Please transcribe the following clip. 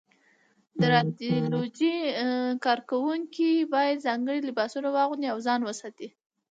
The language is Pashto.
د رادیالوجۍ کارکوونکي باید ځانګړي لباسونه واغوندي او ځان وساتي.